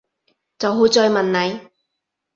就會再問你